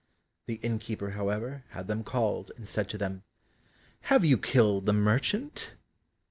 The innkeeper, however, had them called, and said to them, "Have you killed the merchant?"